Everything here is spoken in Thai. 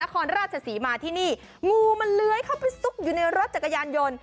ครราชศรีมาที่นี่งูมันเลื้อยเข้าไปซุกอยู่ในรถจักรยานยนต์